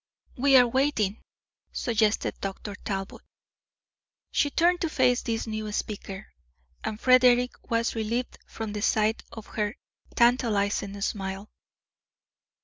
"We are waiting," suggested Dr. Talbot. She turned to face this new speaker, and Frederick was relieved from the sight of her tantalising smile.